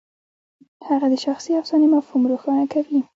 هغه د شخصي افسانې مفهوم روښانه کوي.